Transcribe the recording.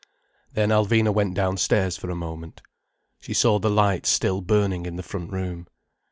Then Alvina went downstairs for a moment. She saw the light still burning in the front room.